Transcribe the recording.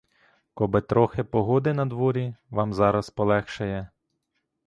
Коби трохи погоди надворі, вам зараз полегшає.